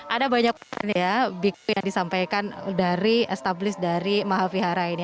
ada banyak biku yang disampaikan dari established dari mahavihara ini